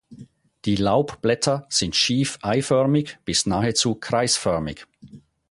Die Laubblätter sind schief eiförmig bis nahezu kreisförmig.